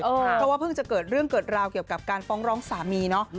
เพราะว่าเพิ่งจะเกิดเรื่องเกิดราวเกี่ยวกับการฟ้องร้องสามีเนาะ